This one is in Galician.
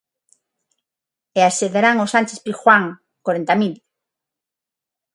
E accederán ao Sánchez-Pizjuán corenta mil.